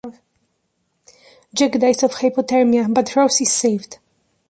Jack dies of hypothermia but Rose is saved.